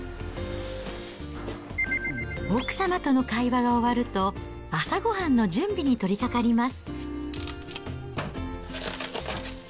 奥様との会話が終わると、朝ごはんの準備に取りかかります。